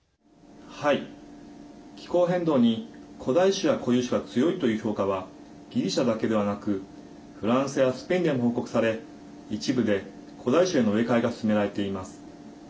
気候変動に古代種や固有種が強いという評価はギリシャだけではなくフランスやスペインでも報告され一部で古代種への植え替えが進められています。